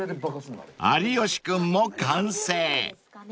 ［有吉君も完成］